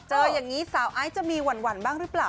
อย่างนี้สาวไอซ์จะมีหวั่นบ้างหรือเปล่า